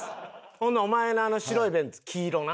ほんならお前のあの白いベンツ黄色な。